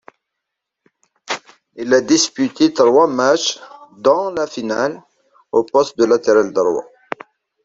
Il a disputé trois matches, dont la finale, au poste de latéral droit.